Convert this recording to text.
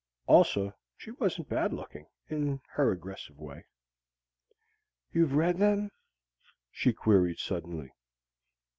Also she wasn't bad looking in her aggressive way. "You've read them?" she queried suddenly.